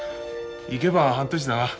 行けば半年だな。